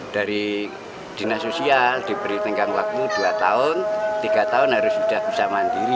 dari dinas sosial diberi tenggang waktu dua tahun tiga tahun harus sudah bisa mandiri